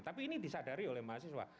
tapi ini disadari oleh mahasiswa